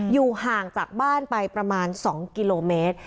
อยู่ห่างจากบ้านไปประมาณ๒กิโลเมตร